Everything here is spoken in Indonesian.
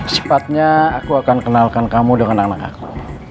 sepatnya aku akan kenalkan kamu dengan anak aku